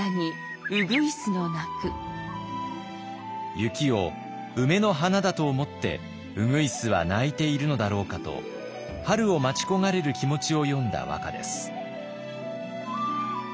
雪を梅の花だと思って鶯は鳴いているのだろうかと春を待ち焦がれる気持ちを詠んだ和歌です。